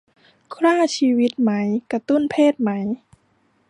คร่าชีวิตไหม กระตุ้นเพศไหม